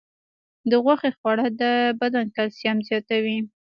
د غوښې خوړل د بدن کلسیم زیاتوي.